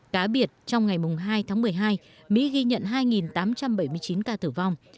cá biệt trong ngày hai tháng một mươi hai mỹ ghi nhận hai tám trăm bảy mươi chín ca tử vong